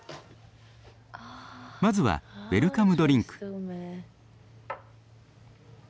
まずはウェルカムドリンク。